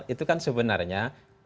itu kan sebenarnya